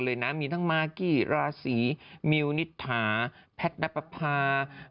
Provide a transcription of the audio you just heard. โลกแตกกันเลยนะมีทั้งมากี้ราศีมิวนิธาแพทย์นักภาพา